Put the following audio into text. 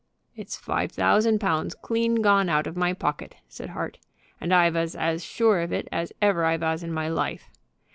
"It's five thousand pounds clean gone out of my pocket," said Hart, "and I vas as sure of it as ever I vas in my life.